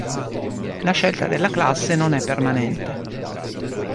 La scelta della classe non è permanente.